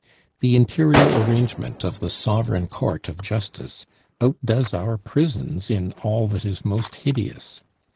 The interior arrangement of the sovereign court of justice outdoes our prisons in all that is most hideous.